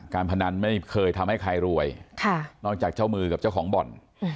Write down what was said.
พนันไม่เคยทำให้ใครรวยนอกจากเจ้ามือกับเจ้าของบ่อน